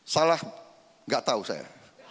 salah enggak tahu saya